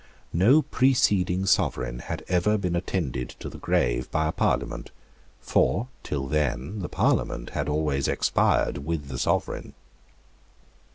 No preceding Sovereign had ever been attended to the grave by a Parliament; for, till then, the Parliament had always expired with the Sovereign.